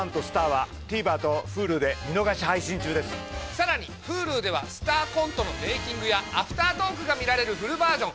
さらにＨｕｌｕでは「スタアコント」のメイキングやアフタートークが見られるフルバージョン。